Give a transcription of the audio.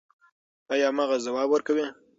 ایا مغز ځواب ورکوي؟